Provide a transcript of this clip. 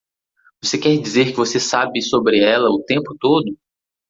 Você quer dizer que você sabe sobre ela o tempo todo?